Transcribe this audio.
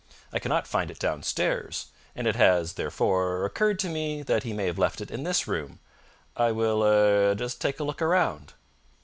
I cannot find it downstairs; and it has, therefore, occurred to me that he may have left it in this room. I will er just take a look around."